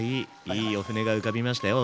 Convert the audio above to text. いいお舟が浮かびましたよ